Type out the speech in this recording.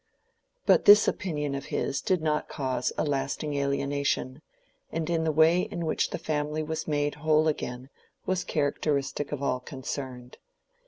But this opinion of his did not cause a lasting alienation; and the way in which the family was made whole again was characteristic of all concerned.